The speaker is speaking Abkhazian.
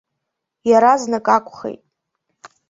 Иаразнак акәхеит!